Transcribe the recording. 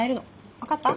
分かった？